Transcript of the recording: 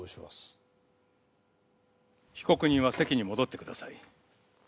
被告人は席に戻ってください。